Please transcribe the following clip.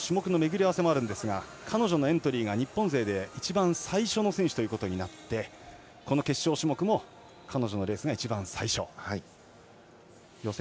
なんといっても今大会種目のめぐり合わせもあるんですが彼女のエントリーが日本勢で一番最初の選手となってこの決勝種目も彼女のレースが一番最初。